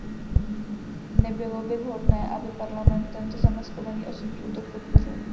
Nebylo by vhodné, aby Parlament tento zamaskovaný osobní útok podpořil.